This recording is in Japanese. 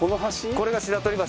これが白鳥橋。